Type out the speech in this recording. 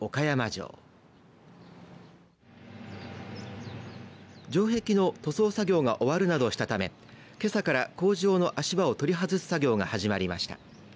城壁の塗装作業が終わるなどしたためけさから工事用の足場を取り外す作業が始まりました。